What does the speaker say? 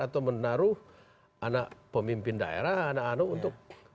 atau menaruh anak pemimpin daerah anak anak untuk